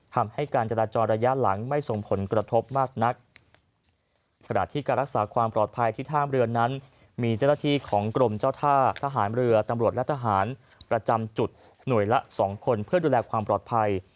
ทหารเรือตำรวจและทหารประจำจุดหน่วยละสองคนเพื่อดูแลความปลอดภัย